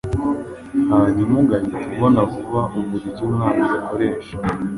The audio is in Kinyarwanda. hanyuma ugahita ubona vuba uburyo umwanzi akoresha